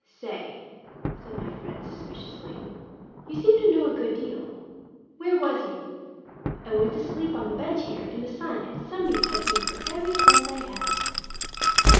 "Say," said my friend, suspiciously, "you seem to know a good deal. Where was you? I went to sleep on the bench there, in the sun, and somebody touched me for every cent I had—$15."